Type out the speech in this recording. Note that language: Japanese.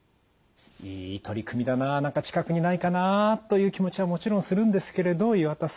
いい取り組みだな何か近くにないかなという気持ちはもちろんするんですけれど岩田さん。